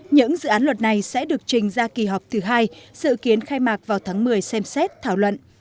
những dự án luật này sẽ được trình ra kỳ họp thứ hai sự kiến khai mạc vào tháng một mươi xem xét thảo luận